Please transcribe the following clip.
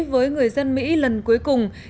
với người dân mỹ lần cuối cùng